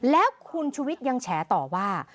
แล้วคุณชุวิตยังแฉต่อว่า